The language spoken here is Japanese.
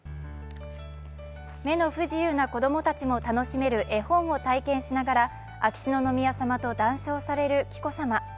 目の不自由な子供たちも楽しめる絵本を体験しながら秋篠宮さまと談笑される紀子さま。